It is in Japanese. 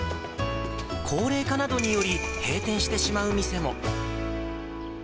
高齢化などにより、閉店してしまう店も。